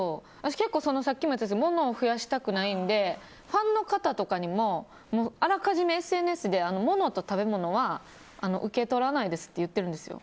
結構、物を増やしたくないのでファンの方とかにもあらかじめＳＮＳで物と食べ物は受け取らないですって言ってるんですよ。